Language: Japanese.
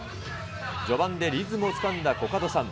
序盤でリズムをつかんだコカドさん。